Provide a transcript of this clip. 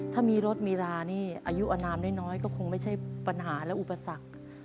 ถ้ามีรถมีรานี่อายุอนามน้อยก็คงไม่ใช่ปัญหาและอุปสรรค